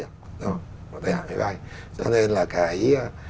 cho nên là cái